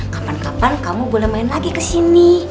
kapan kapan kamu boleh main lagi ke sini